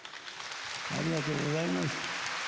ありがとうございます。